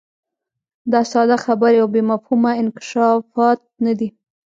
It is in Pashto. دا ساده خبرې او بې مفهومه انکشافات نه دي.